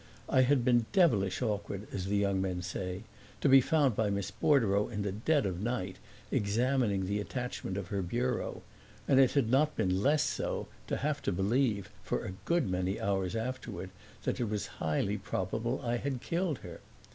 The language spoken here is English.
I had been devilish awkward, as the young men say, to be found by Miss Bordereau in the dead of night examining the attachment of her bureau; and it had not been less so to have to believe for a good many hours afterward that it was highly probable I had killed her.